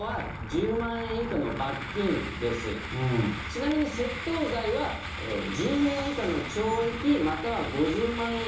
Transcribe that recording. ちなみに窃盗罪は１０年以下の懲役または５０万円以下の罰金です。